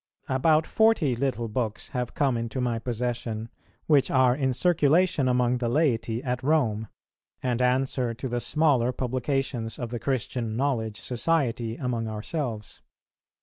About forty little books have come into my possession which are in circulation among the laity at Rome, and answer to the smaller publications of the Christian Knowledge Society among ourselves.